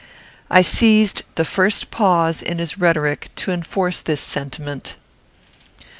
I seized the first pause in his rhetoric to enforce this sentiment.